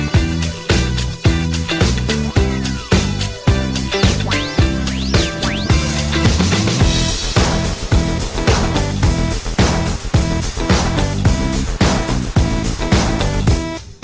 โปรดติดตามตอนต่อไป